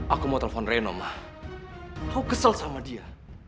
aku mau telepon reno mah aku kesel sama dia